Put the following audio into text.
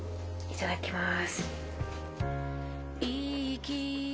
いただきます！